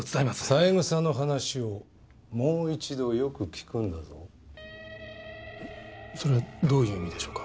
三枝の話をもう一度よく聞くんだぞそれはどういう意味でしょうか？